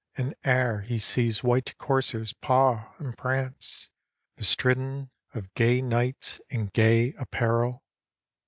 In air he sees white coursers paw, and prance. Bestridden of gay knights, in gay apparel.